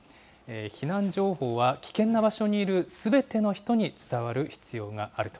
避難情報は危険な場所にいるすべての人に伝わる必要があると。